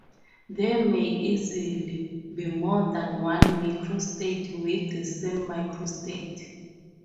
There may easily be more than one microstate with the same macrostate.